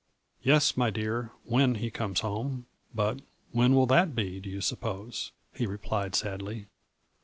" 'Yes, my dear, when he comes home, but when will that be, do you suppose?' he replied sadly.